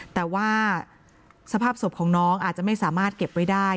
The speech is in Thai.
แต่ว่าสภาพศพของน้องอาจจะไม่สามารถเก็บไว้ได้